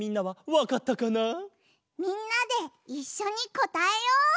みんなでいっしょにこたえよう！